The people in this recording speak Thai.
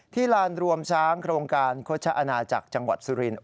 ลานรวมช้างโครงการโฆษอาณาจักรจังหวัดสุรินท